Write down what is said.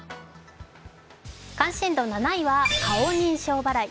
関心度７位は顔認証払い。